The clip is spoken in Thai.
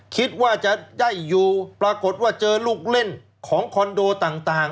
คิดว่าจะได้อยู่ปรากฏว่าเจอลูกเล่นของคอนโดต่าง